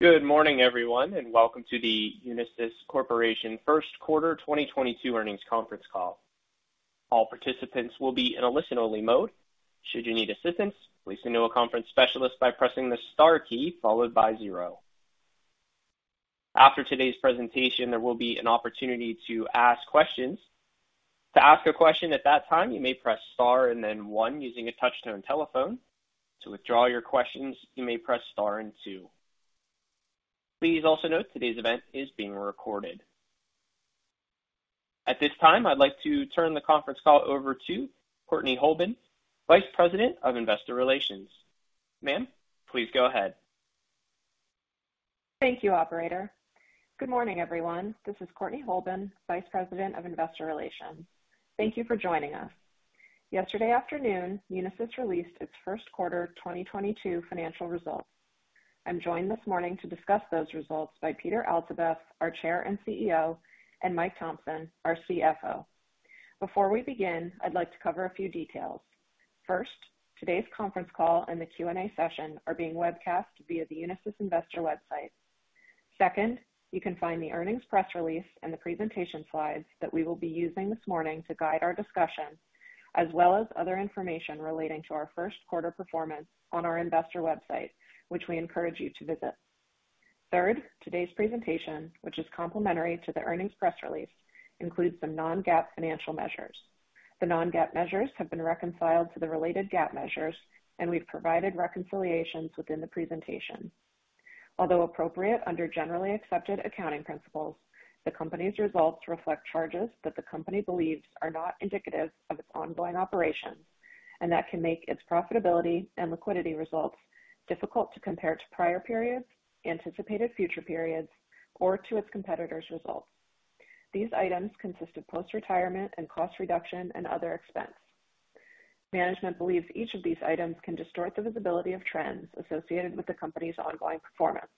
Good morning everyone, and Welcome to the Unisys Corporation First Quarter 2022 Earnings Conference Call. All participants will be in a listen-only mode. Should you need assistance, listen to a conference specialist by pressing the star key followed by zero. After today's presentation, there will be an opportunity to ask questions. To ask a question at that time, you may press star and then one using a touch-tone telephone. To withdraw your questions, you may press star and two. Please also note today's event is being recorded. At this time, I'd like to turn the conference call over to Courtney Holben, Vice President of Investor Relations. Ma'am, please go ahead. Thank you, operator. Good morning everyone. This is Courtney Holben, Vice President of Investor Relations. Thank you for joining us. Yesterday afternoon, Unisys released its First Quarter 2022 Financial Results. I'm joined this morning to discuss those results by Peter Altabef, our Chair and CEO, and Mike Thomson, our CFO. Before we begin, I'd like to cover a few details. First, today's conference call and the Q&A session are being webcast via the Unisys investor website. Second, you can find the earnings press release and the presentation slides that we will be using this morning to guide our discussion, as well as other information relating to our first quarter performance on our investor website, which we encourage you to visit. Third, today's presentation, which is complementary to the earnings press release, includes some non-GAAP financial measures. The non-GAAP measures have been reconciled to the related GAAP measures, and we've provided reconciliations within the presentation. Although appropriate under generally accepted accounting principles, the company's results reflect charges that the company believes are not indicative of its ongoing operations and that can make its profitability and liquidity results difficult to compare to prior periods, anticipated future periods, or to its competitors' results. These items consist of post-retirement and cost reduction and other expense. Management believes each of these items can distort the visibility of trends associated with the company's ongoing performance.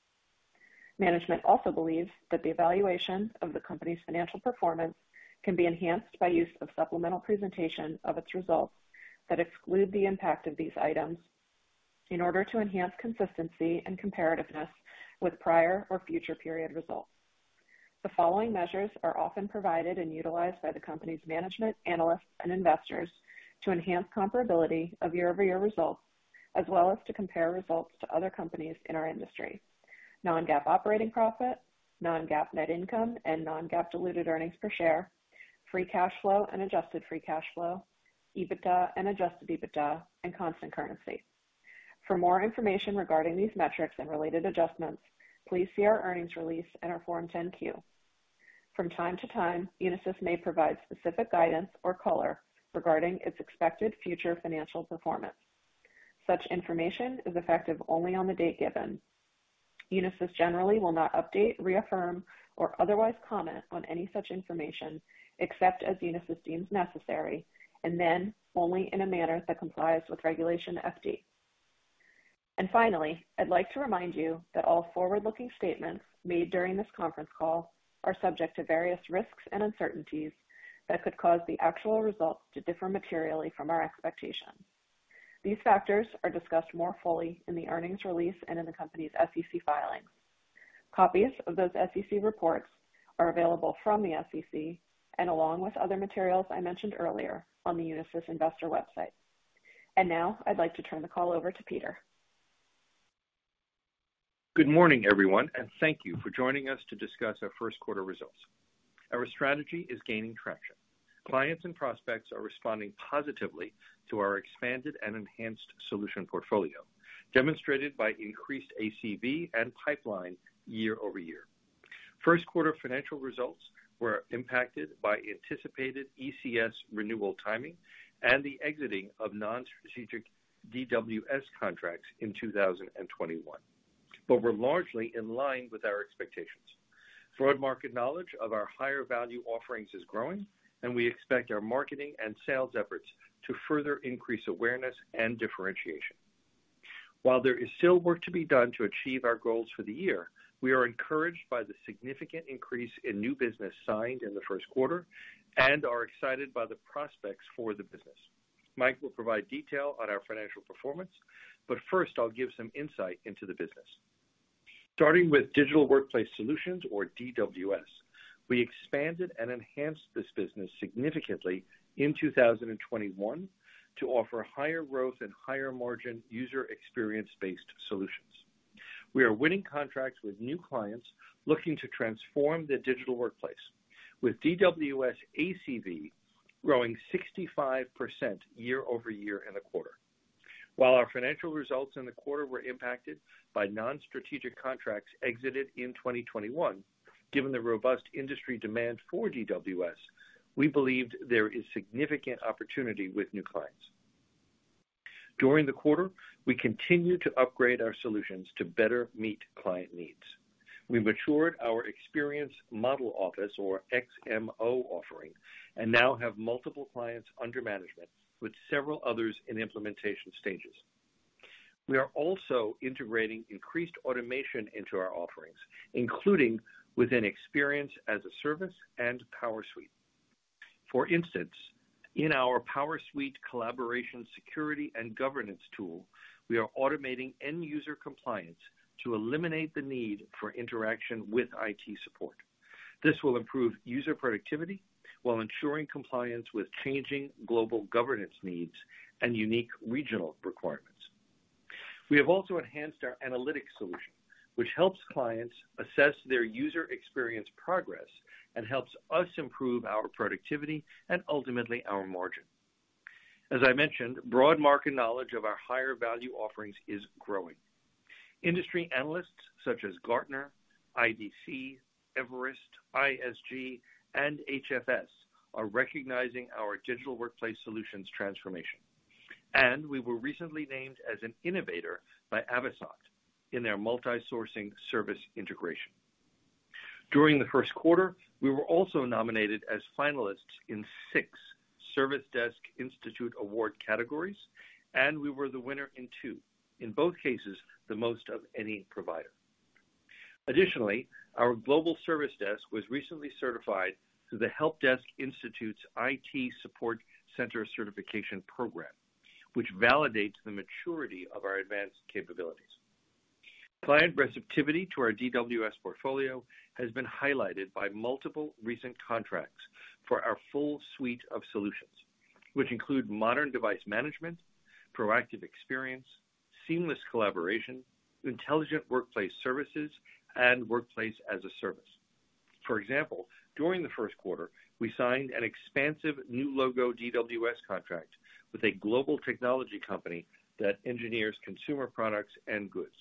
Management also believes that the evaluation of the company's financial performance can be enhanced by use of supplemental presentation of its results that exclude the impact of these items in order to enhance consistency and comparability with prior or future period results. The following measures are often provided and utilized by the Company's Management, Analysts, and Investors to enhance comparability of year-over-year results, as well as to compare results to other companies in our industry. Non-GAAP operating profit, non-GAAP net income, and non-GAAP diluted earnings per share, free cash flow and adjusted free cash flow, EBITDA and adjusted EBITDA, and constant currency. For more information regarding these metrics and related adjustments, please see our earnings release and our Form 10-Q. From time to time, Unisys may provide specific guidance or color regarding its expected future financial performance. Such information is effective only on the date given. Unisys generally will not update, reaffirm, or otherwise comment on any such information, except as Unisys deems necessary, and then only in a manner that complies with Regulation FD. Finally, I'd like to remind you that all forward-looking statements made during this conference call are subject to various risks and uncertainties that could cause the actual results to differ materially from our expectations. These factors are discussed more fully in the earnings release and in the company's SEC filings. Copies of those SEC reports are available from the SEC and along with other materials I mentioned earlier on the Unisys investor website. Now I'd like to turn the call over to Peter Altabef. Good morning, everyone, and thank you for joining us to discuss our first quarter results. Our strategy is gaining traction. Clients and prospects are responding positively to our expanded and enhanced solution portfolio, demonstrated by increased ACV and pipeline year-over-year. First quarter financial results were impacted by anticipated ECS renewal timing and the exiting of non-strategic DWS contracts in 2021. We're largely in line with our expectations. Broad market knowledge of our higher value offerings is growing, and we expect our marketing and sales efforts to further increase awareness and differentiation. While there is still work to be done to achieve our goals for the year, we are encouraged by the significant increase in new business signed in the first quarter and are excited by the prospects for the business. Mike will provide detail on our financial performance, but first I'll give some insight into the business. Starting with Digital Workplace Solutions or DWS, we expanded and enhanced this business significantly in 2021 to offer higher growth and higher margin user experience-based solutions. We are winning contracts with new clients looking to transform their digital workplace, with DWS ACV growing 65% year over year in the quarter. While our financial results in the quarter were impacted by non-strategic contracts exited in 2021, given the robust industry demand for DWS, we believed there is significant opportunity with new clients. During the quarter, we continued to upgrade our solutions to better meet client needs. We matured our Experience Management Office or XMO offering and now have multiple clients under management with several others in implementation stages. We are also integrating increased automation into our offerings, including within Experience as a Service and PowerSuite. For instance, in our PowerSuite collaboration security and governance tool, we are automating end user compliance to eliminate the need for interaction with IT support. This will improve user productivity while ensuring compliance with changing global governance needs and unique regional requirements. We have also enhanced our analytics solution, which helps clients assess their user experience progress and helps us improve our productivity and ultimately our margin. As I mentioned, broad market knowledge of our higher value offerings is growing. Industry analysts such as Gartner, IDC, Everest Group, ISG, and HFS Research are recognizing our Digital Workplace Solutions transformation. We were recently named as an innovator by Avasant in their multi-sourcing service integration. During the first quarter, we were also nominated as finalists in six Service Desk Institute award categories, and we were the winner in two, in both cases, the most of any provider. Additionally, our global service desk was recently certified through the Help Desk Institute's IT Support Center certification program, which validates the maturity of our advanced capabilities. Client receptivity to our DWS portfolio has been highlighted by multiple recent contracts for our full suite of solutions, which include modern device management, proactive experience, seamless collaboration, intelligent workplace services, and workplace as a service. For example, during the first quarter, we signed an expansive new logo DWS contract with a global technology company that engineers consumer products and goods.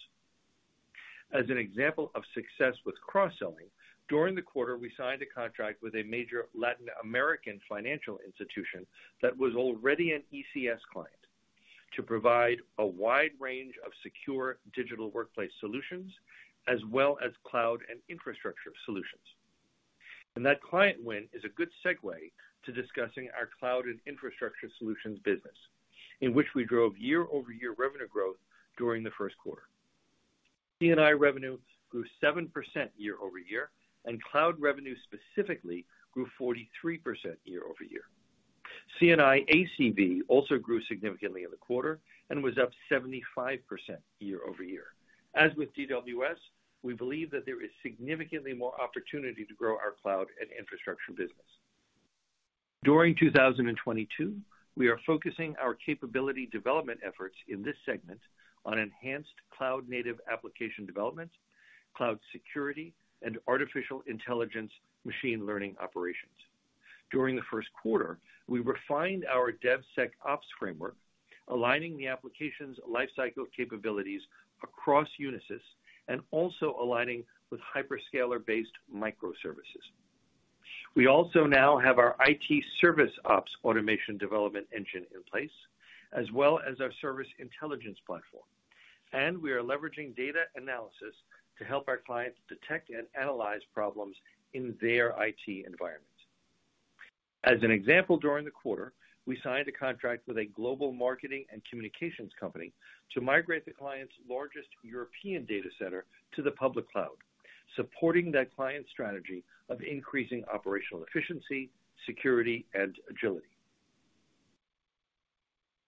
As an example of success with cross-selling, during the quarter, we signed a contract with a major Latin American financial institution that was already an ECS client to provide a wide range of secure digital workplace solutions as well as cloud and infrastructure solutions. That client win is a good segue to discussing our cloud and infrastructure solutions business, in which we drove year-over-year revenue growth during the first quarter. C&I revenue grew 7% year-over-year, and cloud revenue specifically grew 43% year-over-year. C&I ACV also grew significantly in the quarter and was up 75% year-over-year. As with DWS, we believe that there is significantly more opportunity to grow our cloud and infrastructure business. During 2022, we are focusing our capability development efforts in this segment on enhanced cloud-native application development, cloud security, and artificial intelligence machine learning operations. During the first quarter, we refined our DevSecOps framework, aligning the application's lifecycle capabilities across Unisys and also aligning with hyperscaler-based microservices. We also now have our IT service ops automation development engine in place, as well as our service intelligence platform. We are leveraging data analysis to help our clients detect and analyze problems in their IT environment. As an example, during the quarter, we signed a contract with a global marketing and communications company to migrate the client's largest European data center to the public cloud, supporting that client's strategy of increasing operational efficiency, security, and agility.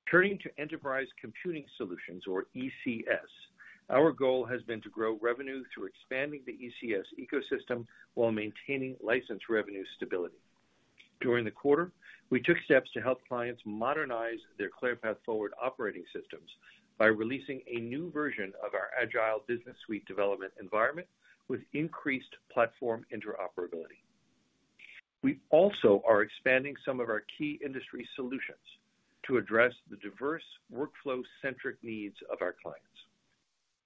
Turning to enterprise computing solutions or ECS, our goal has been to grow revenue through expanding the ECS ecosystem while maintaining license revenue stability. During the quarter, we took steps to help clients modernize their ClearPath Forward operating systems by releasing a new version of our Agile Business Suite development environment with increased platform interoperability. We also are expanding some of our key industry solutions to address the diverse workflow-centric needs of our clients.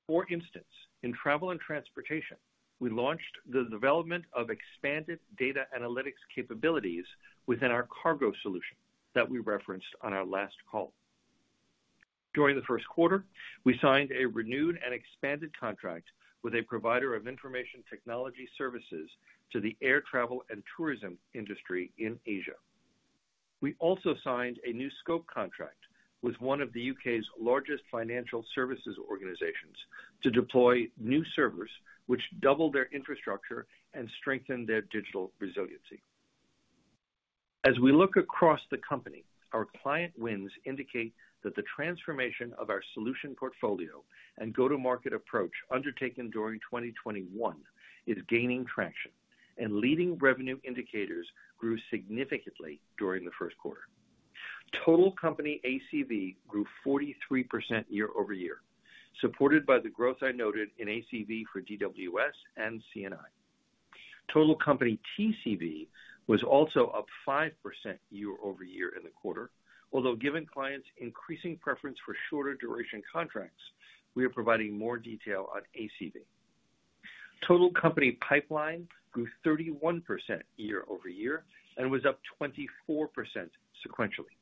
For instance, in travel and transportation, we launched the development of expanded data analytics capabilities within our cargo solution that we referenced on our last call. During the first quarter, we signed a renewed and expanded contract with a provider of information technology services to the air travel and tourism industry in Asia. We also signed a new scope contract with one of the UK's largest financial services organizations to deploy new servers, which double their infrastructure and strengthen their digital resiliency. As we look across the company, our client wins indicate that the transformation of our solution portfolio and go-to-market approach undertaken during 2021 is gaining traction, and leading revenue indicators grew significantly during the first quarter. Total company ACV grew 43% year-over-year, supported by the growth I noted in ACV for DWS and C&I. Total company TCV was also up 5% year-over-year in the quarter. Although given clients' increasing preference for shorter duration contracts, we are providing more detail on ACV. Total company pipeline grew 31% year-over-year and was up 24% sequentially.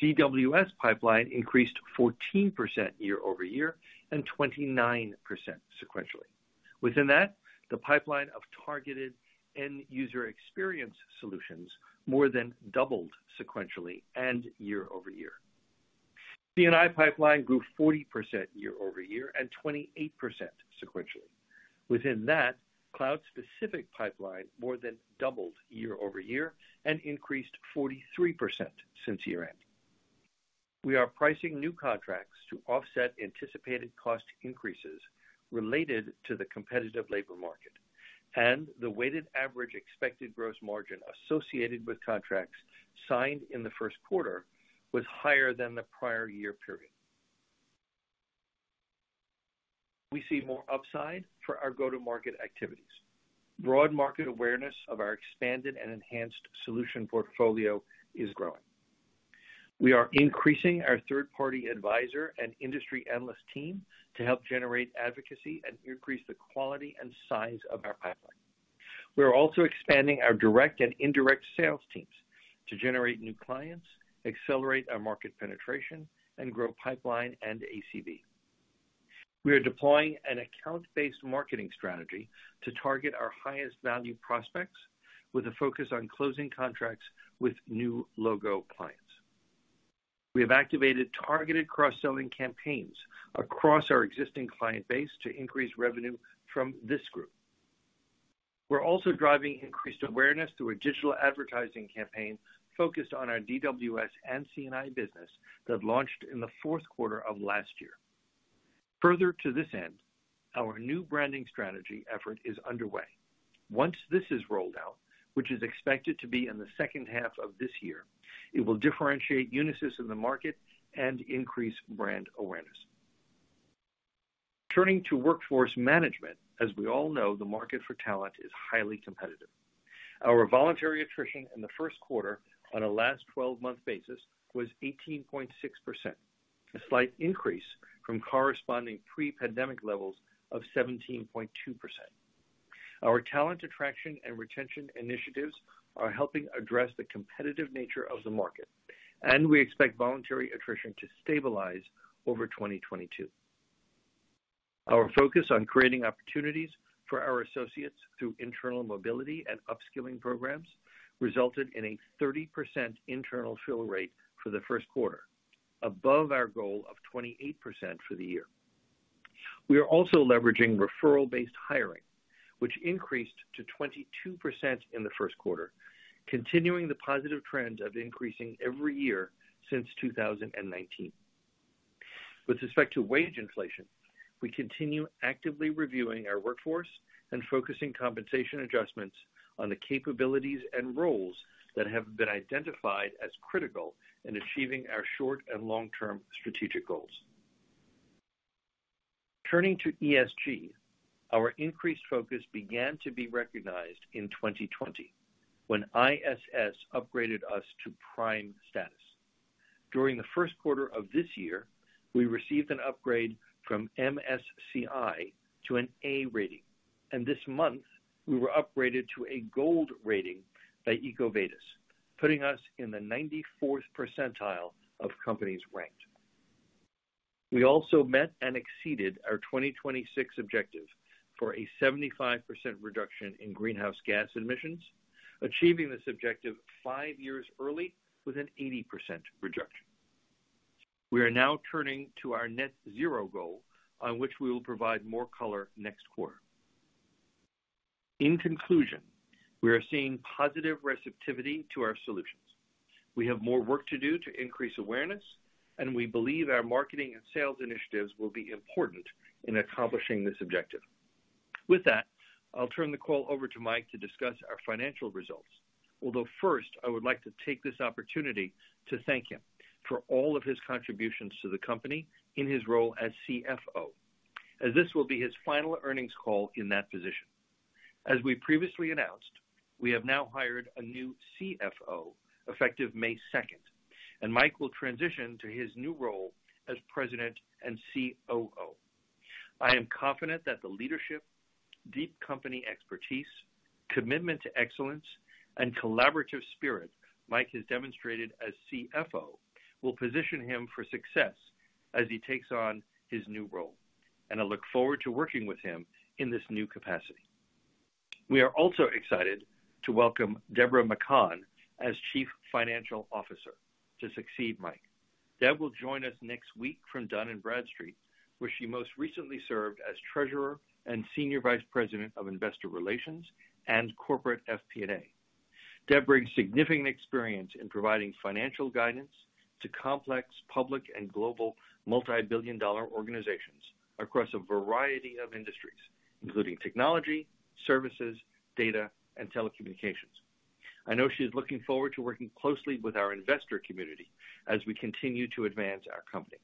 DWS pipeline increased 14% year-over-year and 29% sequentially. Within that, the pipeline of targeted end-user experience solutions more than doubled sequentially and year-over-year. C&I pipeline grew 40% year-over-year and 28% sequentially. Within that, cloud-specific pipeline more than doubled year-over-year and increased 43% since year-end. We are pricing new contracts to offset anticipated cost increases related to the competitive labor market, and the weighted average expected gross margin associated with contracts signed in the first quarter was higher than the prior year period. We see more upside for our go-to-market activities. Broad market awareness of our expanded and enhanced solution portfolio is growing. We are increasing our third-party advisor and industry analyst team to help generate advocacy and increase the quality and size of our pipeline. We are also expanding our direct and indirect sales teams to generate new clients, accelerate our market penetration, and grow pipeline and ACV. We are deploying an account-based marketing strategy to target our highest value prospects with a focus on closing contracts with new logo clients. We have activated targeted cross-selling campaigns across our existing client base to increase revenue from this group. We're also driving increased awareness through a digital advertising campaign focused on our DWS and C&I business that launched in the fourth quarter of last year. Further to this end, our new branding strategy effort is underway. Once this is rolled out, which is expected to be in the second half of this year, it will differentiate Unisys in the market and increase brand awareness. Turning to workforce management. As we all know, the market for talent is highly competitive. Our voluntary attrition in the first quarter on a last twelve month basis was 18.6%, a slight increase from corresponding pre-pandemic levels of 17.2%. Our talent attraction and retention initiatives are helping address the competitive nature of the market, and we expect voluntary attrition to stabilize over 2022. Our focus on creating opportunities for our associates through internal mobility and upskilling programs resulted in a 30% internal fill rate for the first quarter, above our goal of 28% for the year. We are also leveraging referral-based hiring, which increased to 22% in the first quarter, continuing the positive trend of increasing every year since 2019. With respect to wage inflation, we continue actively reviewing our workforce and focusing compensation adjustments on the capabilities and roles that have been identified as critical in achieving our short and long-term strategic goals. Turning to ESG. Our increased focus began to be recognized in 2020, when ISS upgraded us to prime status. During the first quarter of this year, we received an upgrade from MSCI to an A rating, and this month we were upgraded to a gold rating by EcoVadis, putting us in the 94th percentile of companies ranked. We also met and exceeded our 2026 objective for a 75% reduction in greenhouse gas emissions, achieving this objective 5 years early with an 80% reduction. We are now turning to our net zero goal, on which we will provide more color next quarter. In conclusion, we are seeing positive receptivity to our solutions. We have more work to do to increase awareness, and we believe our marketing and sales initiatives will be important in accomplishing this objective. With that, I'll turn the call over to Mike to discuss our financial results. Although first, I would like to take this opportunity to thank him for all of his contributions to the company in his role as CFO, as this will be his final earnings call in that position. As we previously announced, we have now hired a new CFO effective May 2, and Mike will transition to his new role as President and COO. I am confident that the leadership, deep company expertise, commitment to excellence, and collaborative spirit Mike has demonstrated as CFO will position him for success as he takes on his new role, and I look forward to working with him in this new capacity. We are also excited to welcome Debra McCann as Chief Financial Officer to succeed Mike. Deb will join us next week from Dun & Bradstreet, where she most recently served as Treasurer and Senior Vice President of Investor Relations and Corporate FP&A. Deb brings significant experience in providing financial guidance to complex public and global multi-billion-dollar organizations across a variety of industries, including technology, services, data, and telecommunications. I know she's looking forward to working closely with our investor community as we continue to advance our company.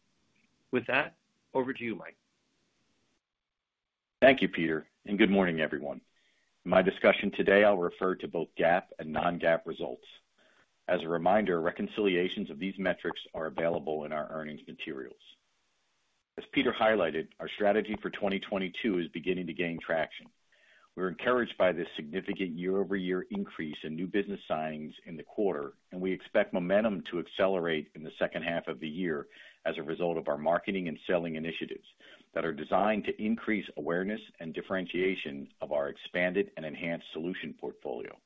With that, over to you, Mike. Thank you, Peter, and good morning, everyone. In my discussion today, I'll refer to both GAAP and non-GAAP results. As a reminder, reconciliations of these metrics are available in our earnings materials. As Peter highlighted, our strategy for 2022 is beginning to gain traction. We're encouraged by this significant year-over-year increase in new business signings in the quarter, and we expect momentum to accelerate in the second half of the year as a result of our marketing and selling initiatives that are designed to increase awareness and differentiation of our expanded and enhanced solution portfolio.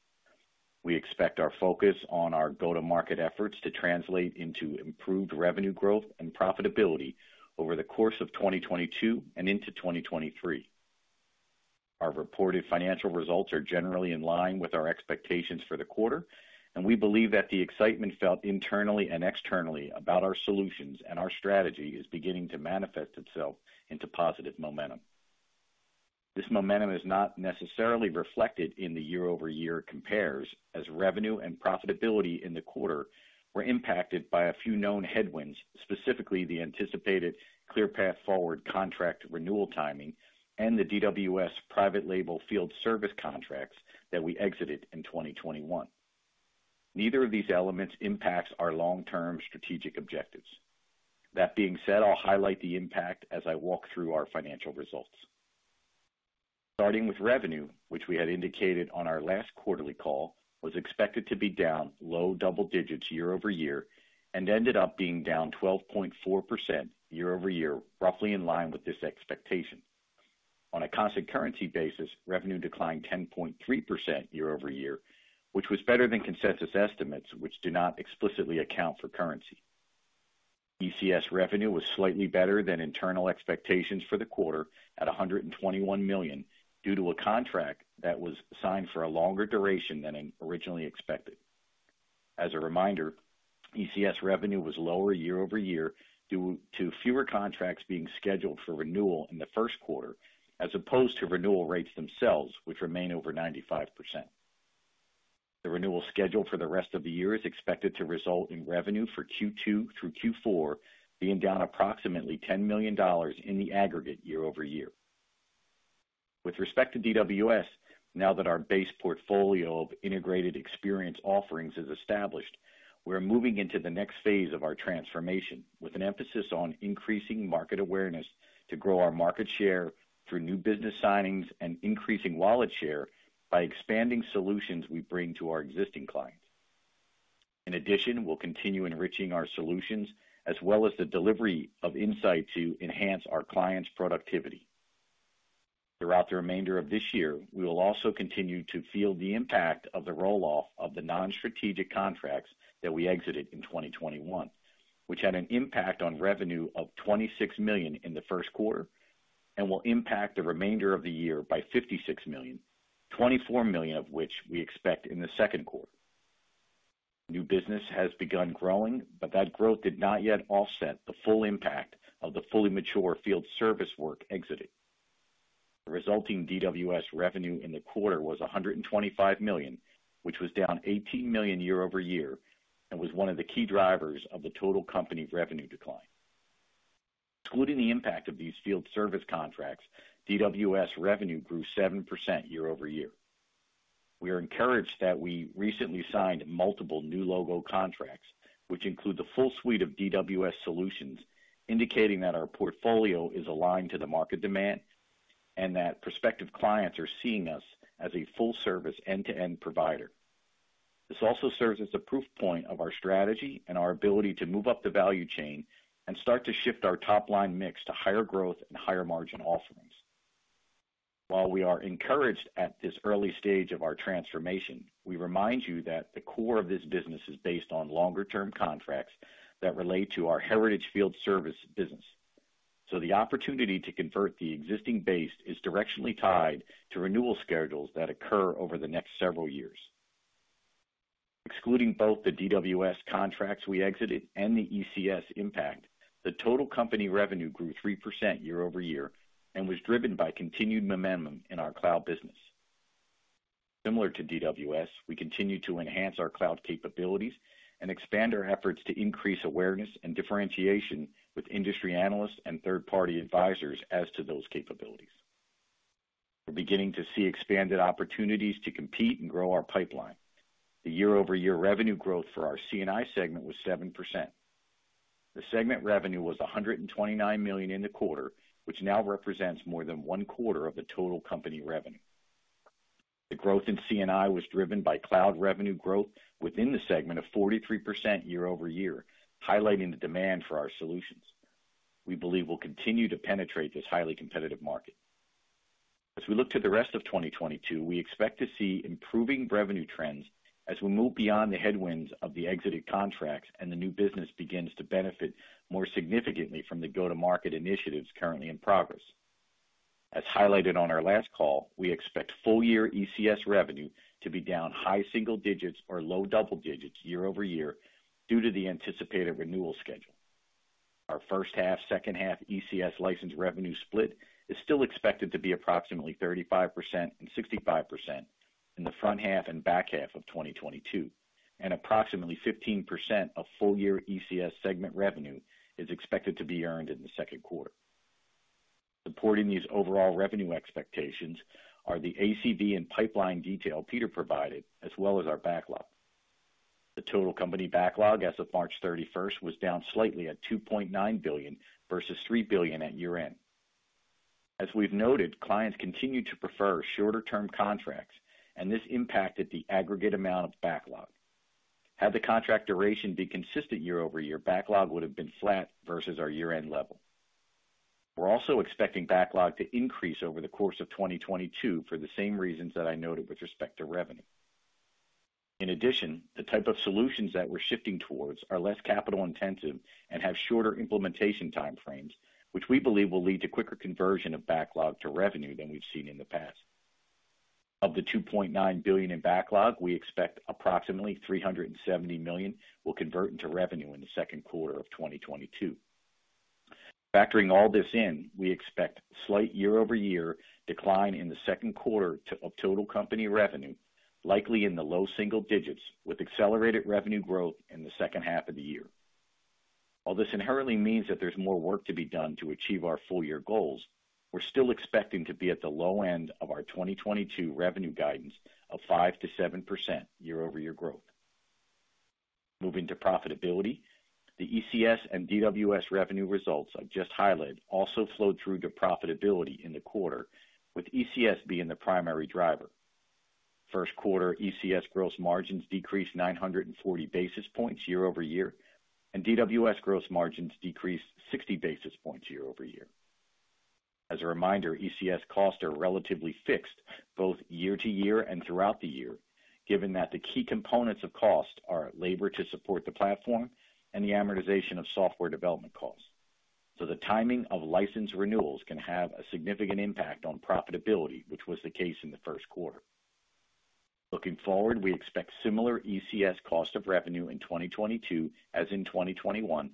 We expect our focus on our go-to-market efforts to translate into improved revenue growth and profitability over the course of 2022 and into 2023. Our reported financial results are generally in line with our expectations for the quarter, and we believe that the excitement felt internally and externally about our solutions and our strategy is beginning to manifest itself into positive momentum. This momentum is not necessarily reflected in the year-over-year compares, as revenue and profitability in the quarter were impacted by a few known headwinds, specifically the anticipated ClearPath Forward contract renewal timing and the DWS private label field service contracts that we exited in 2021. Neither of these elements impacts our long-term strategic objectives. That being said, I'll highlight the impact as I walk through our financial results. Starting with revenue, which we had indicated on our last quarterly call, was expected to be down low double digits year-over-year and ended up being down 12.4% year-over-year, roughly in line with this expectation. On a constant currency basis, revenue declined 10.3% year-over-year, which was better than consensus estimates, which do not explicitly account for currency. ECS revenue was slightly better than internal expectations for the quarter at $121 million due to a contract that was signed for a longer duration than originally expected. As a reminder, ECS revenue was lower year-over-year due to fewer contracts being scheduled for renewal in the first quarter, as opposed to renewal rates themselves, which remain over 95%. The renewal schedule for the rest of the year is expected to result in revenue for Q2 through Q4 being down approximately $10 million in the aggregate year-over-year. With respect to DWS, now that our base portfolio of integrated experience offerings is established, we're moving into the next phase of our transformation with an emphasis on increasing market awareness to grow our market share through new business signings and increasing wallet share by expanding solutions we bring to our existing clients. In addition, we'll continue enriching our solutions as well as the delivery of insight to enhance our clients' productivity. Throughout the remainder of this year, we will also continue to feel the impact of the roll-off of the non-strategic contracts that we exited in 2021, which had an impact on revenue of $26 million in the first quarter and will impact the remainder of the year by $56 million, $24 million of which we expect in the second quarter. New business has begun growing, but that growth did not yet offset the full impact of the fully mature field service work exited. The resulting DWS revenue in the quarter was $125 million, which was down $18 million year-over-year and was one of the key drivers of the total company revenue decline. Excluding the impact of these field service contracts, DWS revenue grew 7% year-over-year. We are encouraged that we recently signed multiple new logo contracts, which include the full suite of DWS solutions, indicating that our portfolio is aligned to the market demand and that prospective clients are seeing us as a full service end-to-end provider. This also serves as a proof point of our strategy and our ability to move up the value chain and start to shift our top line mix to higher growth and higher margin offerings. While we are encouraged at this early stage of our transformation, we remind you that the core of this business is based on longer term contracts that relate to our heritage field service business. The opportunity to convert the existing base is directionally tied to renewal schedules that occur over the next several years. Excluding both the DWS contracts we exited and the ECS impact, the total company revenue grew 3% year-over-year and was driven by continued momentum in our cloud business. Similar to DWS, we continue to enhance our cloud capabilities and expand our efforts to increase awareness and differentiation with industry analysts and third-party advisors as to those capabilities. We're beginning to see expanded opportunities to compete and grow our pipeline. The year-over-year revenue growth for our C&I segment was 7%. The segment revenue was $129 million in the quarter, which now represents more than one quarter of the total company revenue. The growth in C&I was driven by cloud revenue growth within the segment of 43% year-over-year, highlighting the demand for our solutions. We believe we'll continue to penetrate this highly competitive market. As we look to the rest of 2022, we expect to see improving revenue trends as we move beyond the headwinds of the exited contracts and the new business begins to benefit more significantly from the go-to-market initiatives currently in progress. As highlighted on our last call, we expect full year ECS revenue to be down high single digits or low double digits year-over-year due to the anticipated renewal schedule. Our first half, second half ECS license revenue split is still expected to be approximately 35% and 65% in the front half and back half of 2022, and approximately 15% of full year ECS segment revenue is expected to be earned in the second quarter. Supporting these overall revenue expectations are the ACV and pipeline detail Peter provided, as well as our backlog. The total company backlog as of March 31st was down slightly at $2.9 billion versus $3 billion at year-end. As we've noted, clients continued to prefer shorter term contracts, and this impacted the aggregate amount of backlog. Had the contract duration been consistent year-over-year, backlog would have been flat versus our year-end level. We're also expecting backlog to increase over the course of 2022 for the same reasons that I noted with respect to revenue. In addition, the type of solutions that we're shifting towards are less capital intensive and have shorter implementation time frames, which we believe will lead to quicker conversion of backlog to revenue than we've seen in the past. Of the $2.9 billion in backlog, we expect approximately $370 million will convert into revenue in the second quarter of 2022. Factoring all this in, we expect slight year-over-year decline in the second quarter of total company revenue, likely in the low single digits%, with accelerated revenue growth in the second half of the year. While this inherently means that there's more work to be done to achieve our full year goals, we're still expecting to be at the low end of our 2022 revenue guidance of 5%-7% year-over-year growth. Moving to profitability, the ECS and DWS revenue results I've just highlighted also flowed through to profitability in the quarter, with ECS being the primary driver. First quarter ECS gross margins decreased 940 basis points year-over-year, and DWS gross margins decreased 60 basis points year-over-year. As a reminder, ECS costs are relatively fixed both year to year and throughout the year, given that the key components of cost are labor to support the platform and the amortization of software development costs. The timing of license renewals can have a significant impact on profitability, which was the case in the first quarter. Looking forward, we expect similar ECS cost of revenue in 2022 as in 2021,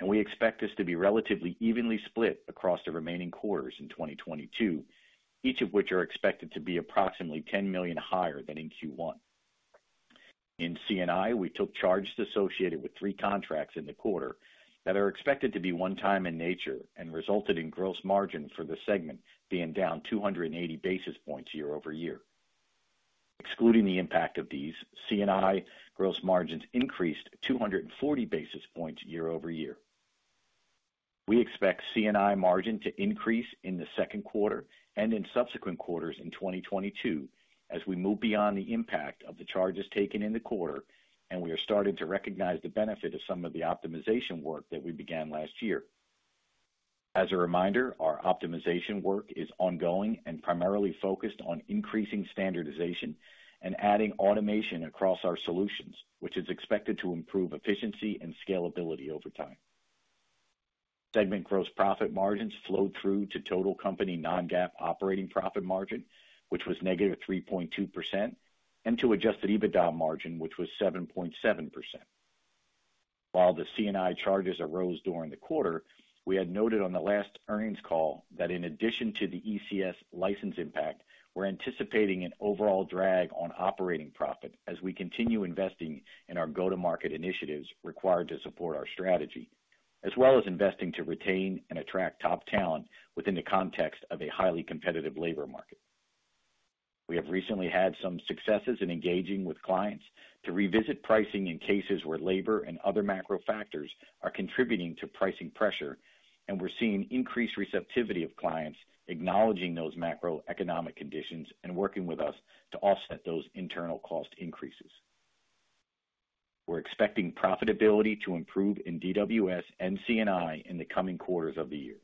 and we expect this to be relatively evenly split across the remaining quarters in 2022, each of which are expected to be approximately $10 million higher than in Q1. In C&I, we took charges associated with three contracts in the quarter that are expected to be one-time in nature and resulted in gross margin for the segment being down 280 basis points year-over-year. Excluding the impact of these, C&I gross margins increased 240 basis points year-over-year. We expect C&I margin to increase in the second quarter and in subsequent quarters in 2022 as we move beyond the impact of the charges taken in the quarter, and we are starting to recognize the benefit of some of the optimization work that we began last year. As a reminder, our optimization work is ongoing and primarily focused on increasing standardization and adding automation across our solutions, which is expected to improve efficiency and scalability over time. Segment gross profit margins flowed through to total company non-GAAP operating profit margin, which was -3.2%, and to adjusted EBITDA margin, which was 7.7%. While the C&I charges arose during the quarter, we had noted on the last earnings call that in addition to the ECS license impact, we're anticipating an overall drag on operating profit as we continue investing in our go-to-market initiatives required to support our strategy, as well as investing to retain and attract top talent within the context of a highly competitive labor market. We have recently had some successes in engaging with clients to revisit pricing in cases where labor and other macro factors are contributing to pricing pressure, and we're seeing increased receptivity of clients acknowledging those macroeconomic conditions and working with us to offset those internal cost increases. We're expecting profitability to improve in DWS and C&I in the coming quarters of the year.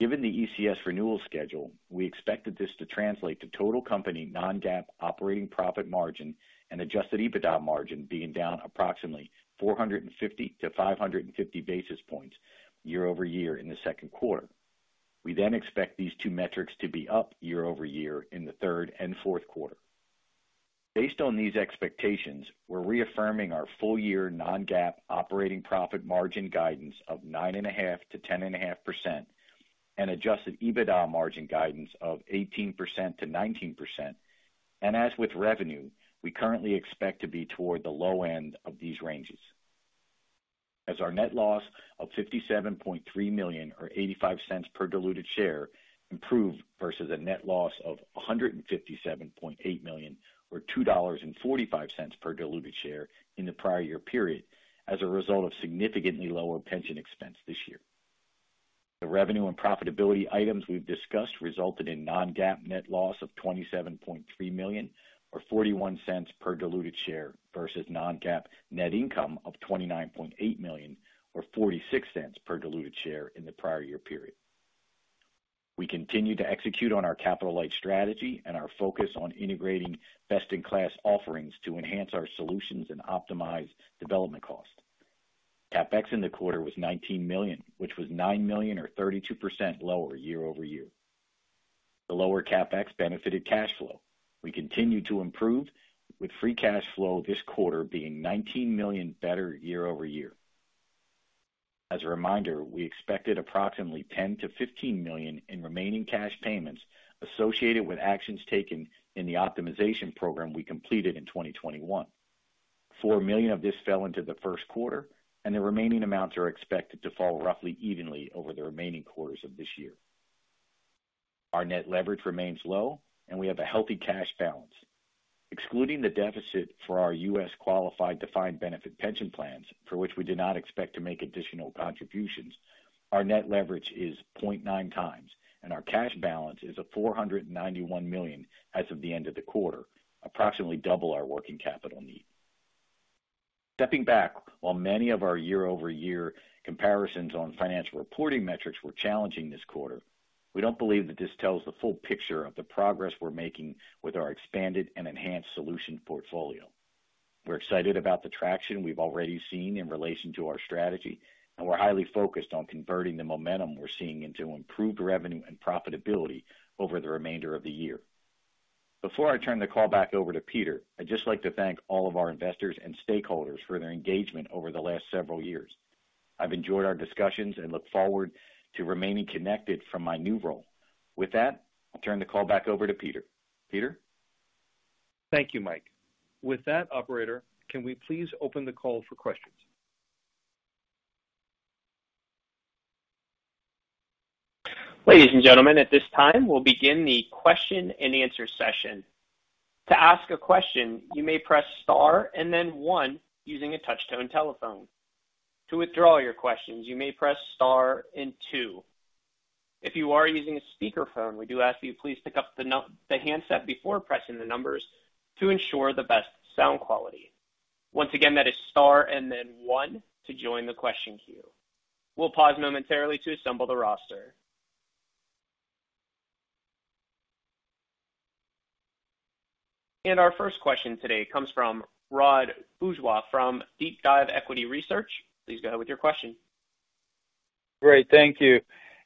Given the ECS renewal schedule, we expected this to translate to total company non-GAAP operating profit margin and adjusted EBITDA margin being down approximately 450-550 basis points year-over-year in the second quarter. We then expect these two metrics to be up year-over-year in the third and fourth quarter. Based on these expectations, we're reaffirming our full-year non-GAAP operating profit margin guidance of 9.5%-10.5% and adjusted EBITDA margin guidance of 18%-19%. As with revenue, we currently expect to be toward the low end of these ranges. Our net loss of $57.3 million or $0.85 per diluted share improved versus a net loss of $157.8 million or $2.45 per diluted share in the prior year period as a result of significantly lower pension expense this year. The revenue and profitability items we've discussed resulted in non-GAAP net loss of $27.3 million or $0.41 per diluted share versus non-GAAP net income of $29.8 million or $0.46 per diluted share in the prior year period. We continue to execute on our capital-light strategy and our focus on integrating best-in-class offerings to enhance our solutions and optimize development cost. CapEx in the quarter was $19 million, which was $9 million or 32% lower year-over-year. The lower CapEx benefited cash flow. We continued to improve with free cash flow this quarter being $19 million better year-over-year. As a reminder, we expected approximately $10-$15 million in remaining cash payments associated with actions taken in the optimization program we completed in 2021. $4 million of this fell into the first quarter, and the remaining amounts are expected to fall roughly evenly over the remaining quarters of this year. Our net leverage remains low, and we have a healthy cash balance. Excluding the deficit for our U.S. qualified defined benefit pension plans, for which we do not expect to make additional contributions, our net leverage is 0.9 times, and our cash balance is at $491 million as of the end of the quarter, approximately double our working capital need. Stepping back, while many of our year-over-year comparisons on financial reporting metrics were challenging this quarter, we don't believe that this tells the full picture of the progress we're making with our expanded and enhanced solution portfolio. We're excited about the traction we've already seen in relation to our strategy, and we're highly focused on converting the momentum we're seeing into improved revenue and profitability over the remainder of the year. Before I turn the call back over to Peter, I'd just like to thank all of our Investors and Stakeholders for their engagement over the last several years. I've enjoyed our discussions and look forward to remaining connected from my new role. With that, I'll turn the call back over to Peter. Peter? Thank you, Mike. With that, Operator, can we please open the call for questions? Ladies and gentlemen, at this time, we'll begin the question-and-answer session. To ask a question, you may press star and then one using a touch-tone telephone. To withdraw your questions, you may press star and two. If you are using a speakerphone, we do ask you please pick up the handset before pressing the numbers to ensure the best sound quality. Once again, that is star and then one to join the question queue. We'll pause momentarily to assemble the roster. Our first question today comes from Rod Bourgeois from DeepDive Equity Research. Please go ahead with your question. Great. Thank you.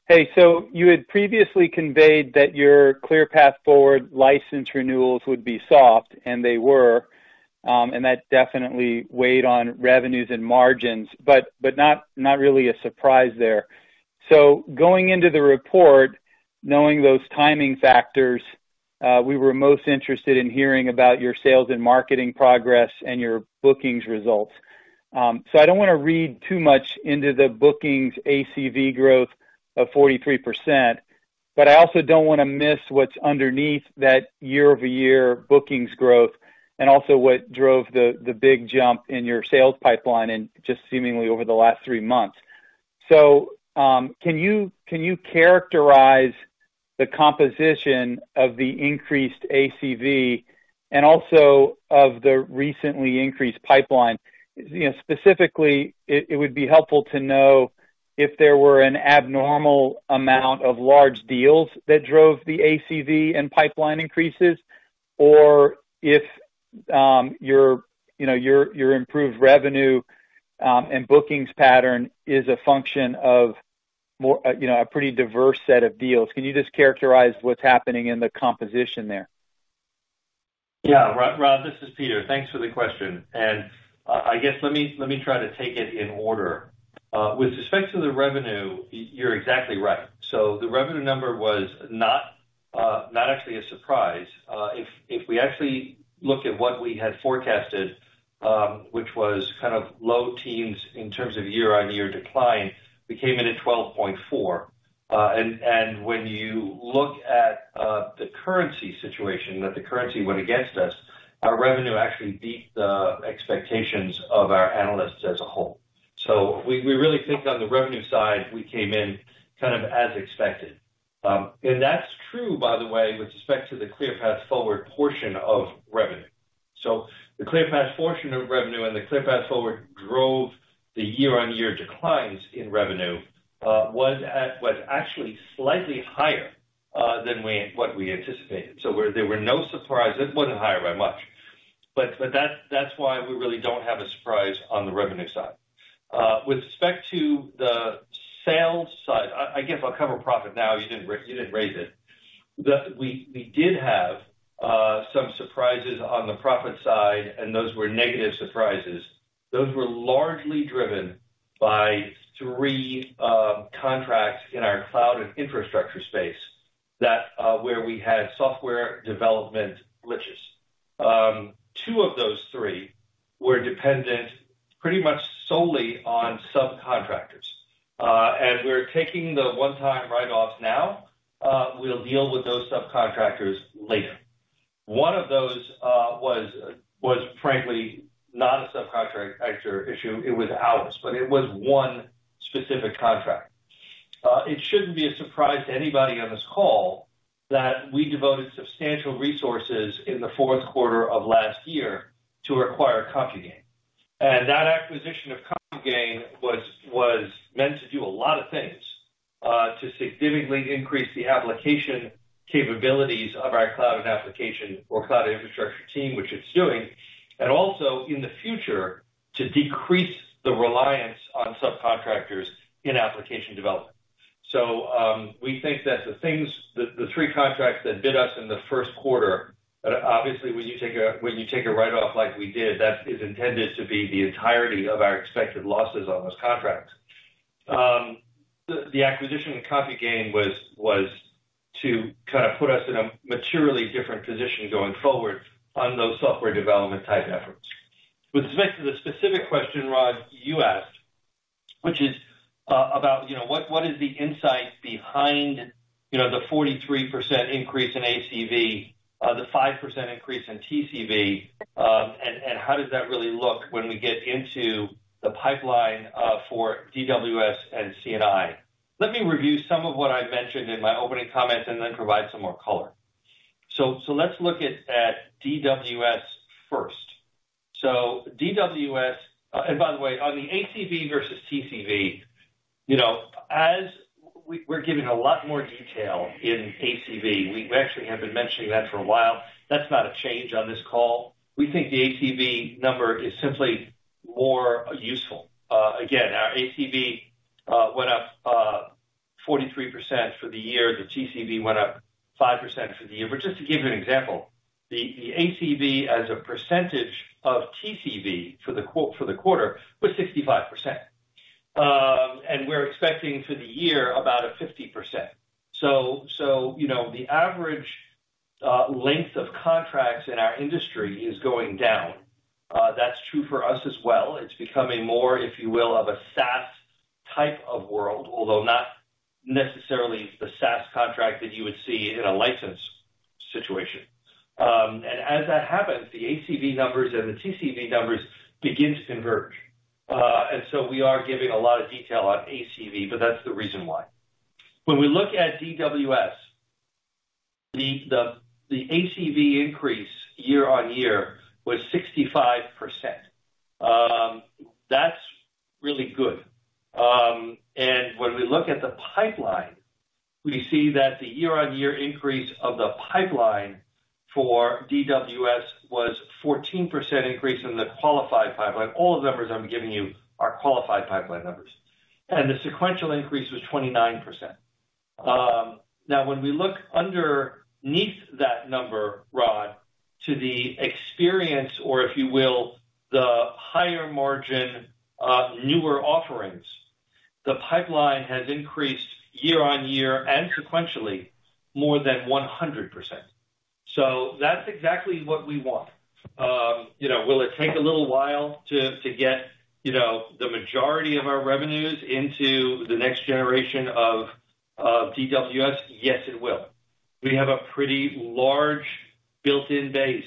Hey, you had previously conveyed that your ClearPath Forward license renewals would be soft, and they were, and that definitely weighed on revenues and margins, but not really a surprise there. Going into the report, knowing those timing factors, we were most interested in hearing about your sales and marketing progress and your bookings results. I don't wanna read too much into the bookings ACV growth of 43%, but I also don't wanna miss what's underneath that year-over-year bookings growth and also what drove the big jump in your sales pipeline and just seemingly over the last three months. Can you characterize the composition of the increased ACV and also of the recently increased pipeline? You know, specifically, it would be helpful to know if there were an abnormal amount of large deals that drove the ACV and pipeline increases or if your, you know, your improved revenue and bookings pattern is a function of more, you know, a pretty diverse set of deals. Can you just characterize what's happening in the composition there? Yeah, Rod, this is Peter. Thanks for the question. I guess, let me try to take it in order. With respect to the revenue, you're exactly right. The revenue number was not actually a surprise. If we actually look at what we had forecasted, which was kind of low teens in terms of year-on-year decline, we came in at 12.4%. When you look at the currency situation that the currency went against us, our revenue actually beat the expectations of our analysts as a whole. We really think on the revenue side, we came in kind of as expected. That's true, by the way, with respect to the ClearPath Forward portion of revenue. The ClearPath portion of revenue and the ClearPath Forward drove the year-on-year declines in revenue, was actually slightly higher than what we anticipated. There were no surprise. It wasn't higher by much. That is why we really don't have a surprise on the revenue side. With respect to the sales side, I guess I'll cover profit now, you didn't raise it. We did have some surprises on the profit side, and those were negative surprises. Those were largely driven by three contracts in our cloud and infrastructure space that where we had software development glitches. Two of those three were dependent pretty much solely on subcontractors. We're taking the one-time write-offs now. We'll deal with those subcontractors later. One of those was frankly not a subcontractor issue. It was ours, but it was one specific contract. It shouldn't be a surprise to anybody on this call that we devoted substantial resources in the fourth quarter of last year to acquire CompuGain. That acquisition of CompuGain was meant to do a lot of things, to significantly increase the application capabilities of our cloud infrastructure team, which it's doing, and also in the future, to decrease the reliance on subcontractors in application development. We think that the three contracts that bit us in the first quarter, obviously, when you take a write-off like we did, that is intended to be the entirety of our expected losses on those contracts. The acquisition of CompuGain was to kind of put us in a materially different position going forward on those software development type efforts. With respect to the specific question, Rod, you asked, which is about, you know, what is the insight behind, you know, the 43% increase in ACV, the 5% increase in TCV, and how does that really look when we get into the pipeline for DWS and C&I? Let me review some of what I mentioned in my opening comments and then provide some more color. Let's look at DWS first. By the way, on the ACV versus TCV, you know, as we're giving a lot more detail in ACV, we actually have been mentioning that for a while. That's not a change on this call. We think the ACV number is simply more useful. Again, our ACV went up 43% for the year. The TCV went up 5% for the year. Just to give you an example, the ACV as a percentage of TCV for the quarter was 65%. We're expecting for the year about a 50%. You know, the average length of contracts in our industry is going down. That's true for us as well. It's becoming more, if you will, of a SaaS type of world, although not necessarily the SaaS contract that you would see in a license situation. As that happens, the ACV numbers and the TCV numbers begin to converge. We are giving a lot of detail on ACV, but that's the reason why. When we look at DWS, the ACV increase year-on-year was 65%. That's really good. When we look at the pipeline, we see that the year-on-year increase of the pipeline for DWS was 14% increase in the qualified pipeline. All the numbers I'm giving you are qualified pipeline numbers. The sequential increase was 29%. Now when we look underneath that number, Rod, to the experience, or if you will, the higher margin, newer offerings, the pipeline has increased year-on-year and sequentially more than 100%. That's exactly what we want. You know, will it take a little while to get, you know, the majority of our revenues into the next generation of DWS? Yes, it will. We have a pretty large built-in base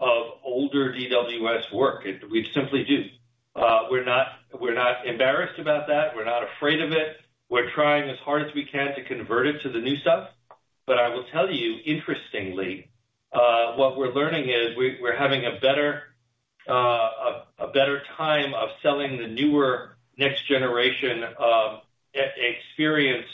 of older DWS work. We simply do. We're not embarrassed about that. We're not afraid of it. We're trying as hard as we can to convert it to the new stuff. I will tell you interestingly, what we're learning is we're having a better time of selling the newer next generation of experience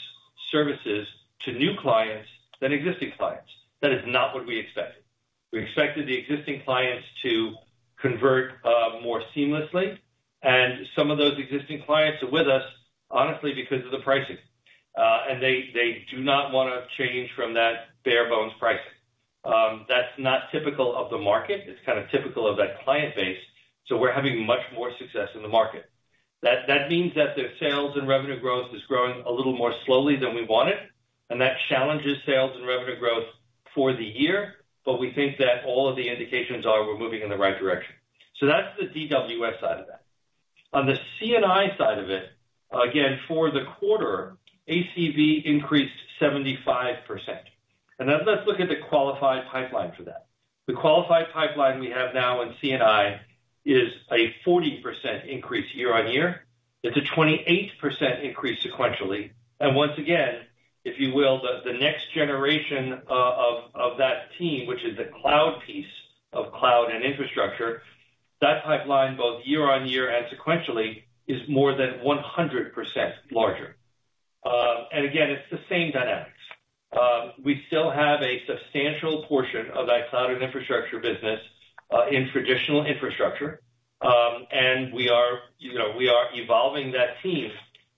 services to new clients than existing clients. That is not what we expected. We expected the existing clients to convert more seamlessly, and some of those existing clients are with us, honestly, because of the pricing. They do not wanna change from that bare bones pricing. That's not typical of the market. It's kind of typical of that client base, so we're having much more success in the market. That means that their sales and revenue growth is growing a little more slowly than we wanted, and that challenges sales and revenue growth for the year, but we think that all of the indications are we're moving in the right direction. That's the DWS side of that. On the C&I side of it, again, for the quarter, ACV increased 75%. Let's look at the qualified pipeline for that. The qualified pipeline we have now in C&I is a 40% increase year-on-year. It's a 28% increase sequentially. Once again, if you will, the next generation of that team, which is the cloud piece of cloud and infrastructure, that pipeline, both year-on-year and sequentially, is more than 100% larger. Again, it's the same dynamics. We still have a substantial portion of that cloud and infrastructure business in traditional infrastructure. We are, you know, evolving that team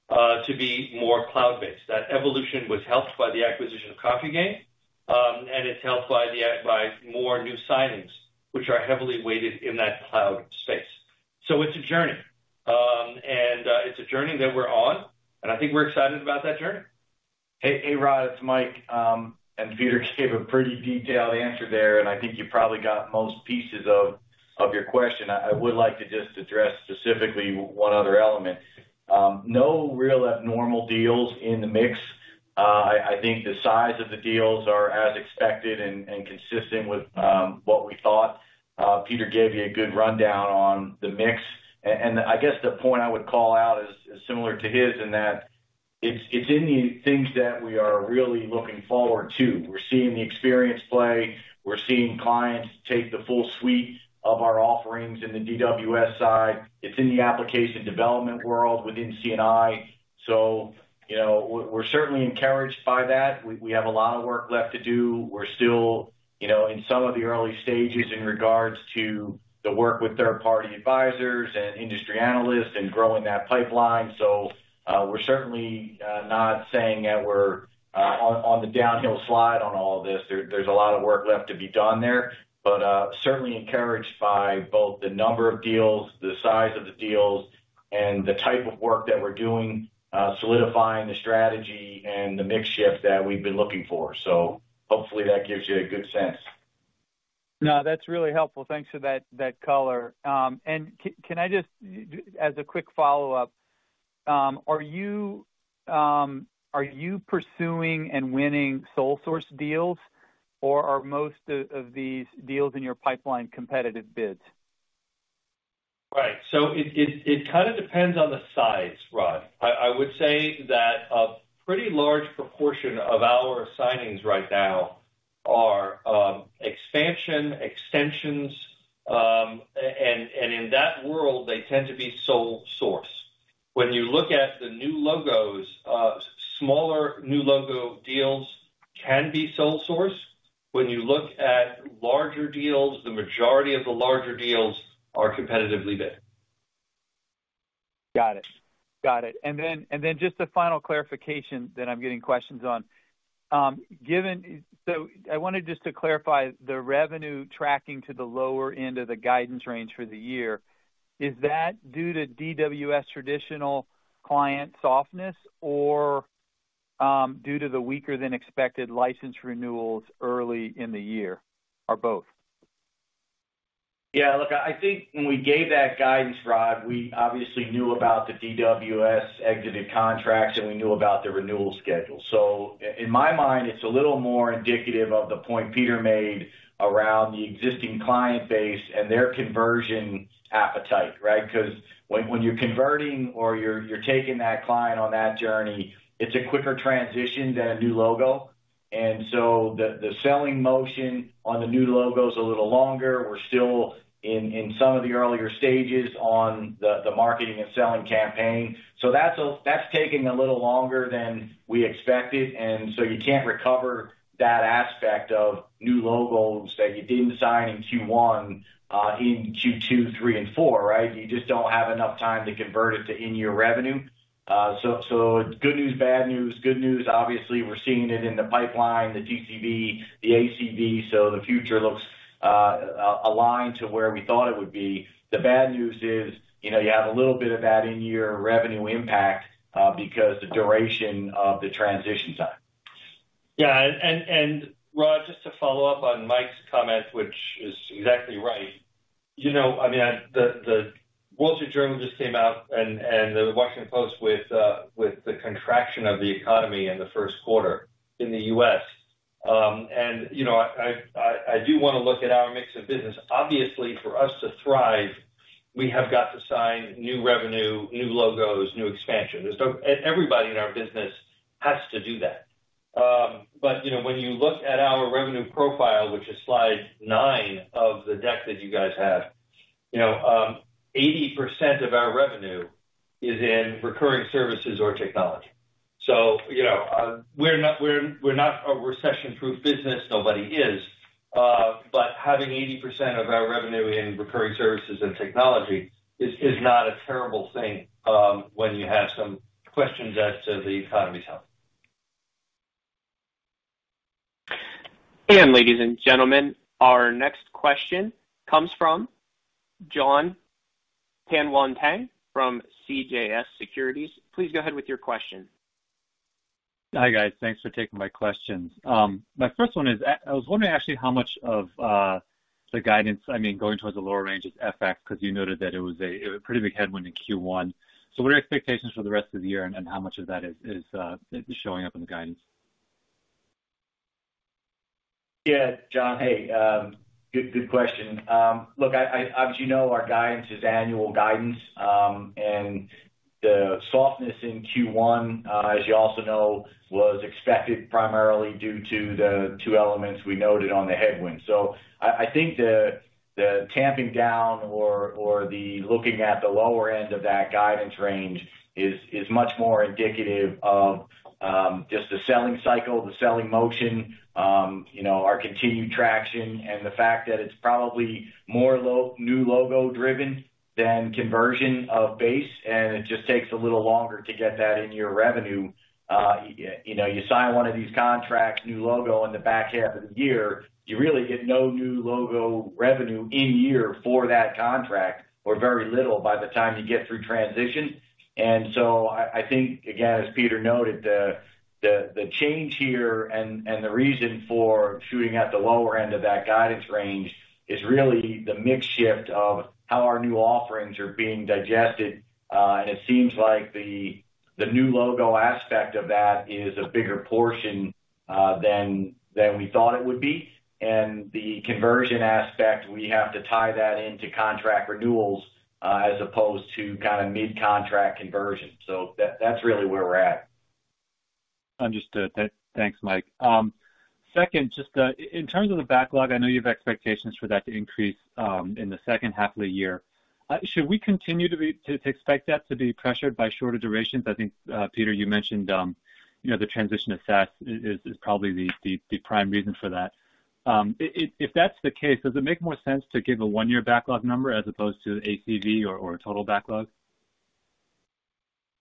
to be more cloud based. That evolution was helped by the acquisition of CompuGain, and it's helped by more new signings, which are heavily weighted in that cloud space. It's a journey. It's a journey that we're on, and I think we're excited about that journey. Hey, Rod, it's Mike. Peter gave a pretty detailed answer there, and I think you probably got most pieces of your question. I would like to just address specifically one other element. No real abnormal deals in the mix. I think the size of the deals are as expected and consistent with what we thought. Peter gave you a good rundown on the mix. I guess the point I would call out is similar to his in that it's in the things that we are really looking forward to. We're seeing the experience play. We're seeing clients take the full suite of our offerings in the DWS side. It's in the application development world within C&I. You know, we're certainly encouraged by that. We have a lot of work left to do. We're still, you know, in some of the early stages in regards to the work with third party advisors and industry analysts and growing that pipeline. We're certainly not saying that we're on the downhill slide on all this. There's a lot of work left to be done there, but certainly encouraged by both the number of deals, the size of the deals, and the type of work that we're doing, solidifying the strategy and the mix shift that we've been looking for. Hopefully that gives you a good sense. No, that's really helpful. Thanks for that color. Can I just, as a quick follow-up, are you pursuing and winning sole source deals, or are most of these deals in your pipeline competitive bids? Right. It kind of depends on the size, Rod. I would say that a pretty large proportion of our signings right now are expansion, extensions, and in that world, they tend to be sole source. When you look at the new logos, smaller new logo deals can be sole source. When you look at larger deals, the majority of the larger deals are competitively bid. Got it. Just a final clarification that I'm getting questions on. I wanted just to clarify the revenue tracking to the lower end of the guidance range for the year. Is that due to DWS traditional client softness or due to the weaker than expected license renewals early in the year, or both? Yeah. Look, I think when we gave that guidance, Rod, we obviously knew about the DWS exited contracts, and we knew about the renewal schedule. In my mind, it's a little more indicative of the point Peter made around the existing client base and their conversion appetite, right? 'Cause when you're converting or you're taking that client on that journey, it's a quicker transition than a new logo. The selling motion on the new logo is a little longer. We're still in some of the earlier stages on the marketing and selling campaign. That's taking a little longer than we expected, and so you can't recover that aspect of new logos that you didn't sign in Q1, in Q2, Q3 and Q4, right? You just don't have enough time to convert it to in-year revenue. Good news, bad news. Good news, obviously, we're seeing it in the pipeline, the TCV, the ACV, so the future looks aligned to where we thought it would be. The bad news is, you know, you have a little bit of that in-year revenue impact because the duration of the transition time. Rod, just to follow up on Mike's comment, which is exactly right. You know, I mean, the Wall Street Journal just came out and the Washington Post with the contraction of the economy in the first quarter in the U.S. You know, I do wanna look at our mix of business. Obviously, for us to thrive, we have got to sign new revenue, new logos, new expansion. Everybody in our business has to do that. You know, when you look at our revenue profile, which is slide 9 of the deck that you guys have, you know, 80% of our revenue is in recurring services or technology. You know, we're not a recession-proof business, nobody is. Having 80% of our revenue in recurring services and technology is not a terrible thing when you have some questions as to the economy's health. Ladies and gentlemen, our next question comes from Jonathan Tanwanteng from CJS Securities. Please go ahead with your question. Hi, guys. Thanks for taking my questions. My first one is I was wondering actually how much of the guidance, I mean, going towards the lower range is FX, 'cause you noted that it was a pretty big headwind in Q1. What are your expectations for the rest of the year, and how much of that is showing up in the guidance? Yeah. Jon, hey, good question. Look, as you know, our guidance is annual guidance, and the softness in Q1, as you also know, was expected primarily due to the two elements we noted on the headwind. I think the tamping down or the looking at the lower end of that guidance range is much more indicative of just the selling cycle, the selling motion, you know, our continued traction and the fact that it's probably more new logo driven than conversion of base, and it just takes a little longer to get that in your revenue. You know, you sign one of these contracts, new logo in the back half of the year, you really get no new logo revenue in year for that contract or very little by the time you get through transition. So I think, again, as Peter noted, the change here and the reason for shooting at the lower end of that guidance range is really the mix shift of how our new offerings are being digested. It seems like the new logo aspect of that is a bigger portion than we thought it would be. The conversion aspect, we have to tie that into contract renewals as opposed to kind of mid-contract conversion. So that's really where we're at. Understood. Thanks, Mike. Second, just in terms of the backlog, I know you have expectations for that to increase in the second half of the year. Should we continue to expect that to be pressured by shorter durations? I think, Peter, you mentioned, you know, the transition to SaaS is probably the prime reason for that. If that's the case, does it make more sense to give a one-year backlog number as opposed to ACV or total backlog?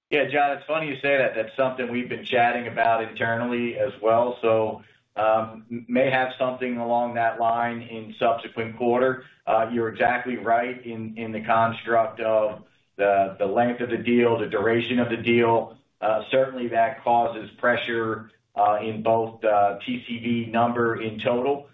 Yeah, Jon, it's funny you say that. That's something we've been chatting about internally as well. May have something along that line in subsequent quarter. You're exactly right in the construct of the length of the deal, the duration of the deal. Certainly that causes pressure in both the TCV number in total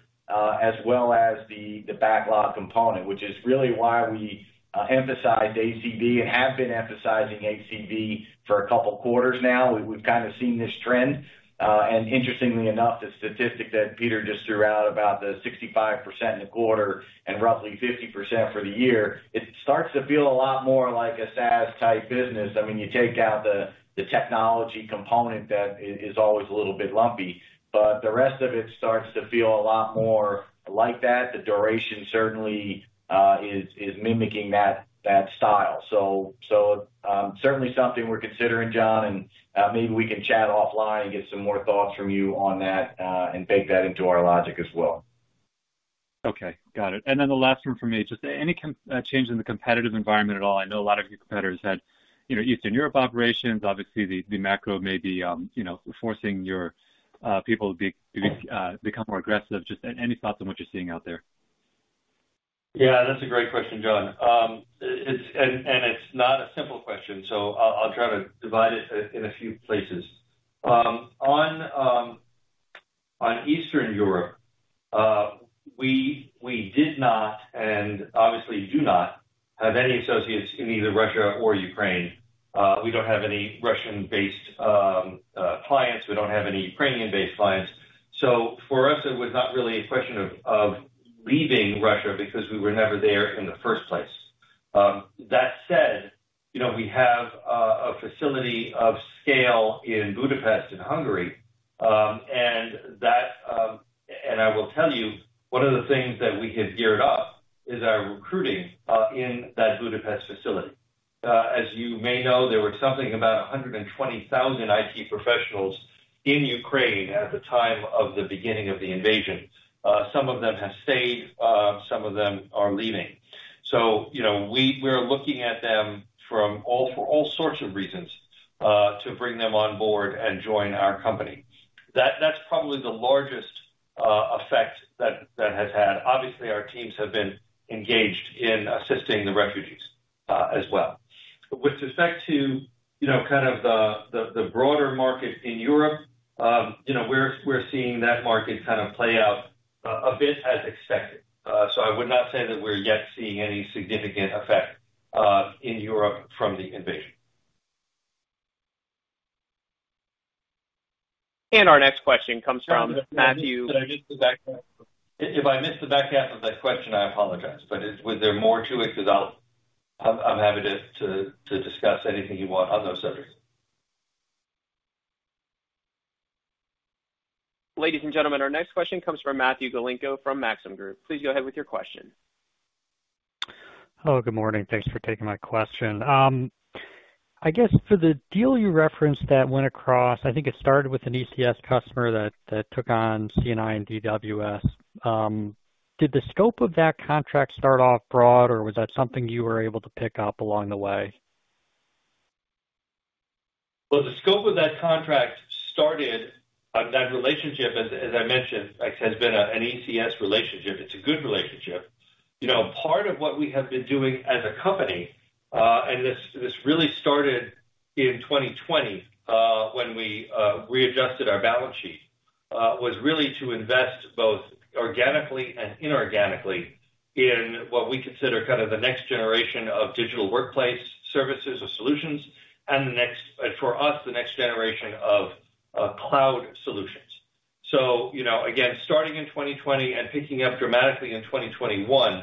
as well as the backlog component, which is really why we emphasize ACV and have been emphasizing ACV for a couple of quarters now. We've kinda seen this trend. Interestingly enough, the statistic that Peter just threw out about the 65% in the quarter and roughly 50% for the year, it starts to feel a lot more like a SaaS-type business. I mean, you take out the technology component that is always a little bit lumpy, but the rest of it starts to feel a lot more like that. The duration certainly is mimicking that style. Certainly something we're considering, Jon, and maybe we can chat offline and get some more thoughts from you on that, and bake that into our logic as well. Okay, got it. The last one from me, just any change in the competitive environment at all? I know a lot of your competitors had, you know, Eastern Europe operations. Obviously, the macro may be, you know, forcing your people to become more aggressive. Just any thoughts on what you're seeing out there? Yeah, that's a great question, Jon. It's not a simple question, so I'll try to divide it in a few places. On Eastern Europe, we did not, and obviously do not, have any associates in either Russia or Ukraine. We don't have any Russian-based clients. We don't have any Ukrainian-based clients. So for us, it was not really a question of leaving Russia because we were never there in the first place. That said, you know, we have a facility of scale in Budapest, in Hungary, and that, and I will tell you, one of the things that we have geared up is our recruiting in that Budapest facility. As you may know, there were something about 120,000 IT professionals in Ukraine at the time of the beginning of the invasion. Some of them have stayed, some of them are leaving. You know, we're looking at them from all sorts of reasons to bring them on board and join our company. That's probably the largest effect that has had. Obviously, our teams have been engaged in assisting the refugees, as well. With respect to, you know, kind of the broader market in Europe, you know, we're seeing that market kind of play out a bit as expected. I would not say that we're yet seeing any significant effect in Europe from the invasion. Our next question comes from Matthew Galinko. Did I miss the back half? If I missed the back half of that question, I apologize. Were there more to it? 'Cause I'm happy to discuss anything you want on those subjects. Ladies and gentlemen, our next question comes from Matthew Galinko from Maxim Group. Please go ahead with your question. Hello, good morning. Thanks for taking my question. I guess for the deal you referenced that went across, I think it started with an ECS customer that took on C&I and DWS. Did the scope of that contract start off broad, or was that something you were able to pick up along the way? Well, the scope of that contract started that relationship, as I mentioned, like, has been an ECS relationship. It's a good relationship. You know, part of what we have been doing as a company, and this really started in 2020, when we readjusted our balance sheet, was really to invest both organically and inorganically in what we consider kind of the next generation of digital workplace services or solutions and, for us, the next generation of cloud solutions. You know, again, starting in 2020 and picking up dramatically in 2021,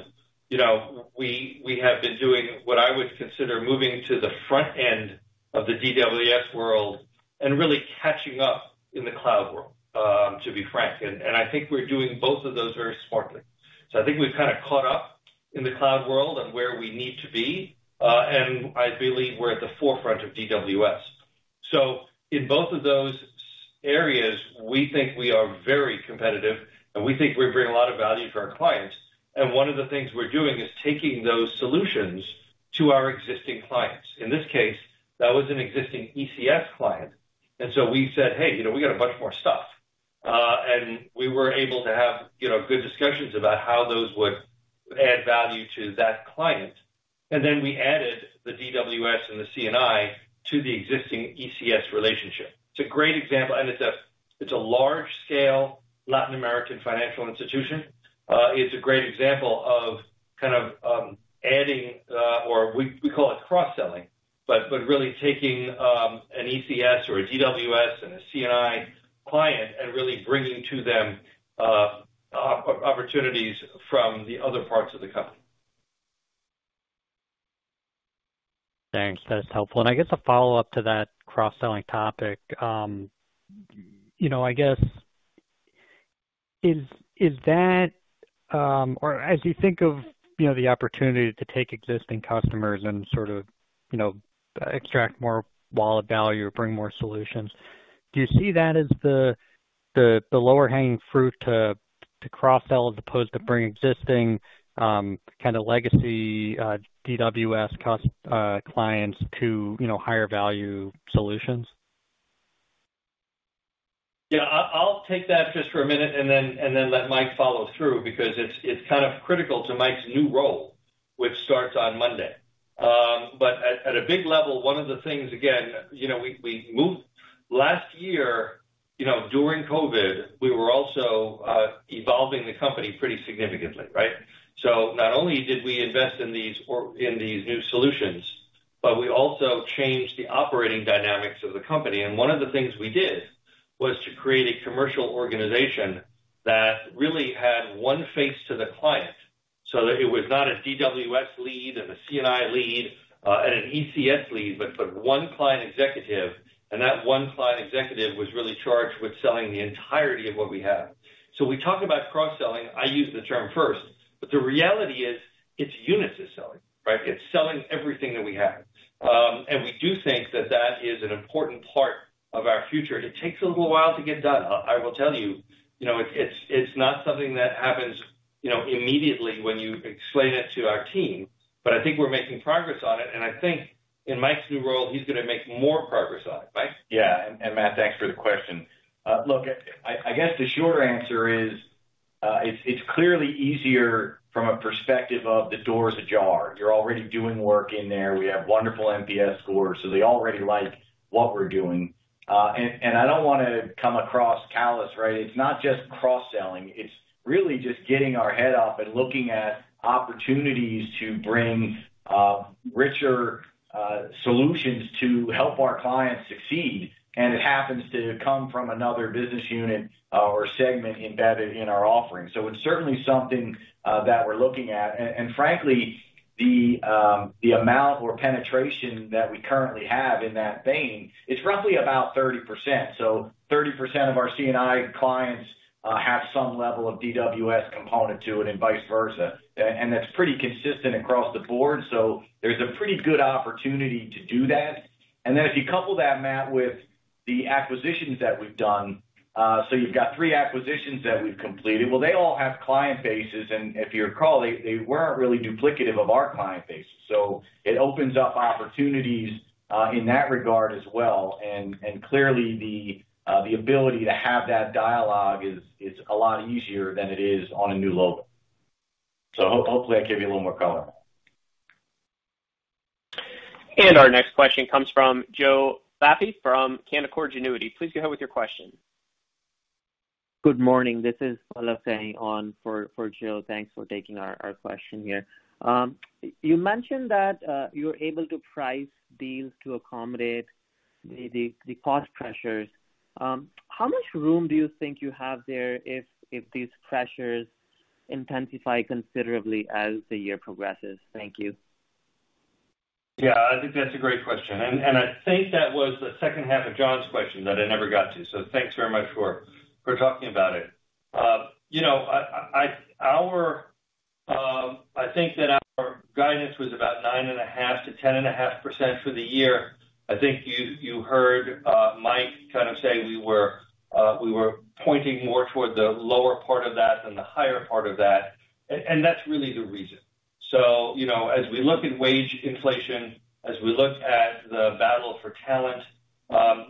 you know, we have been doing what I would consider moving to the front end of the DWS world and really catching up in the cloud world, to be frank. I think we're doing both of those very smartly. I think we've kinda caught up in the cloud world and where we need to be, and I believe we're at the forefront of DWS. In both of those areas, we think we are very competitive, and we think we bring a lot of value to our clients. One of the things we're doing is taking those solutions to our existing clients. In this case, that was an existing ECS client. We said, Hey, you know, we got a bunch more stuff. We were able to have, you know, good discussions about how those would add value to that client. Then we added the DWS and the C&I to the existing ECS relationship. It's a great example, and it's a large scale Latin American financial institution. It's a great example of kind of adding or we call it cross-selling, but really taking an ECS or a DWS and a C&I client and really bringing to them opportunities from the other parts of the company. Thanks. That is helpful. I guess a follow-up to that cross-selling topic, you know, I guess is that or as you think of, you know, the opportunity to take existing customers and sort of, you know, extract more wallet value or bring more solutions. Do you see that as the low-hanging fruit to cross-sell as opposed to bring existing kind of legacy DWS clients to, you know, higher value solutions? Yeah, I'll take that just for a minute and then let Mike follow through because it's kind of critical to Mike's new role, which starts on Monday. But at a big level, one of the things, again, you know, we moved last year, you know, during COVID, we were also evolving the company pretty significantly, right? So not only did we invest in these new solutions, but we also changed the operating dynamics of the company. One of the things we did was to create a commercial organization that really had one face to the client, so that it was not a DWS lead and a C&I lead and an ECS lead, but one client executive. That one client executive was really charged with selling the entirety of what we have. When we talk about cross-selling, I use the term first, but the reality is it's units it's selling, right? It's selling everything that we have. We do think that is an important part of our future. It takes a little while to get done. I will tell you know, it's not something that happens, you know, immediately when you explain it to our team, but I think we're making progress on it. I think in Mike's new role, he's gonna make more progress on it. Mike? Yeah. Matt, thanks for the question. Look, I guess the short answer is, it's clearly easier from a perspective of the door's ajar. You're already doing work in there. We have wonderful NPS scores, so they already like what we're doing. I don't wanna come across callous, right? It's not just cross-selling. It's really just getting our head up and looking at opportunities to bring richer solutions to help our clients succeed. It happens to come from another business unit or segment embedded in our offering. So it's certainly something that we're looking at. Frankly, the amount or penetration that we currently have in that vein is roughly about 30%. So 30% of our C&I clients have some level of DWS component to it, and vice versa. That's pretty consistent across the board. There's a pretty good opportunity to do that. Then if you couple that, Matt, with the acquisitions that we've done, you've got three acquisitions that we've completed. Well, they all have client bases. If you recall, they weren't really duplicative of our client base. It opens up opportunities in that regard as well. Clearly the ability to have that dialogue is a lot easier than it is on a new logo. Hopefully I gave you a little more color. Our next question comes from Joe Vafi from Canaccord Genuity. Please go ahead with your question. Good morning. This is Olaf sitting in for Joe. Thanks for taking our question here. You mentioned that you're able to price deals to accommodate the cost pressures. How much room do you think you have there if these pressures intensify considerably as the year progresses? Thank you. Yeah, I think that's a great question. I think that was the second half of Jon's question that I never got to, so thanks very much for talking about it. You know, I think that our guidance was about 9.5%-10.5% for the year. I think you heard Mike kind of say we were pointing more toward the lower part of that than the higher part of that, and that's really the reason. You know, as we look at wage inflation, as we look at the battle for talent,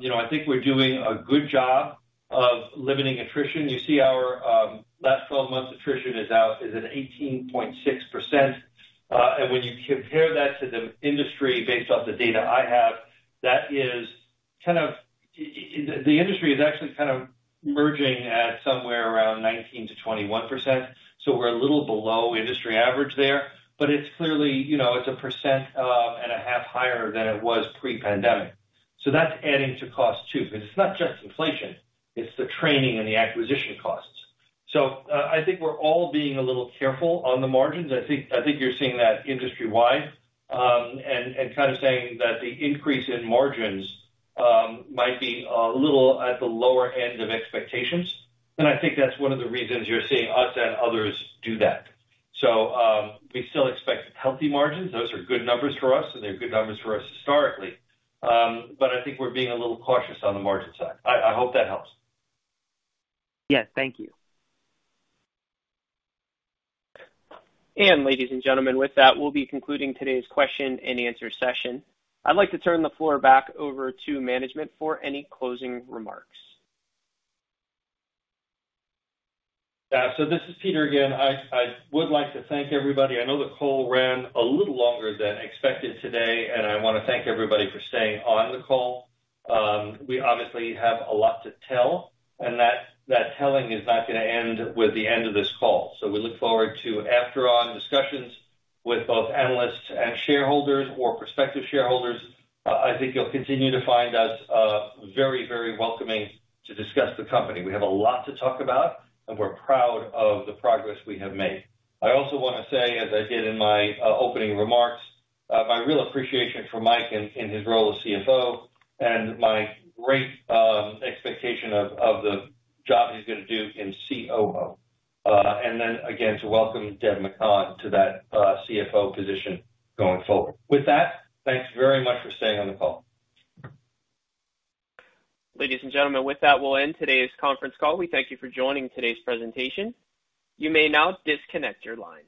you know, I think we're doing a good job of limiting attrition. You see our last 12 months attrition is at 18.6%. When you compare that to the industry based off the data I have, the industry is actually kind of margining at somewhere around 19%-21%. We're a little below industry average there, but it's clearly, you know, it's 1.5% higher than it was pre-pandemic. That's adding to costs too, because it's not just inflation, it's the training and the acquisition costs. I think we're all being a little careful on the margins. I think you're seeing that industry-wide, and kind of saying that the increase in margins might be a little at the lower end of expectations. I think that's one of the reasons you're seeing us and others do that. We still expect healthy margins. Those are good numbers for us, and they're good numbers for us historically. I think we're being a little cautious on the margin side. I hope that helps. Yes. Thank you. Ladies and gentlemen, with that, we'll be concluding today's question and answer session. I'd like to turn the floor back over to management for any closing remarks. Yeah, this is Peter again. I would like to thank everybody. I know the call ran a little longer than expected today, and I wanna thank everybody for staying on the call. We obviously have a lot to tell, and that telling is not gonna end with the end of this call. We look forward to follow-on discussions with both analysts and shareholders or prospective shareholders. I think you'll continue to find us very welcoming to discuss the company. We have a lot to talk about, and we're proud of the progress we have made. I also wanna say, as I did in my opening remarks, my real appreciation for Mike in his role as CFO and my great expectation of the job he's gonna do in COO. to welcome Deb McCann to that CFO position going forward. With that, thanks very much for staying on the call. Ladies and gentlemen, with that, we'll end today's conference call. We thank you for joining today's presentation. You may now disconnect your lines.